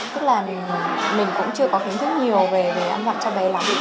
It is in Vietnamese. tức là mình cũng chưa có kiến thức nhiều về ăn vặn cho bé lắm